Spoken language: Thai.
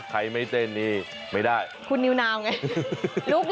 ไม่เต้นนี่ไม่ได้คุณนิวนาวไง